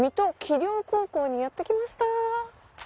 陵高校にやって来ました。